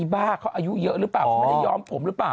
บ้าเขาอายุเยอะหรือเปล่าเขาไม่ได้ยอมผมหรือเปล่า